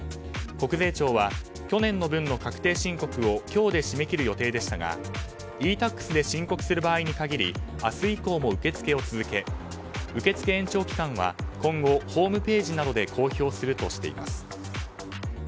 国税庁は去年の分の確定申告を今日で締め切る予定でしたがｅ‐Ｔａｘで申告する場合に限り明日以降も受け付けを続け受付延長期間は今後ホームページなどで公表するとしています。